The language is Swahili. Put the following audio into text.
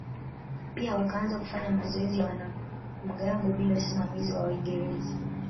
Pia wakaanza kufanya mazoezi ya wanamgambo bila usimamizi wa Waingereza.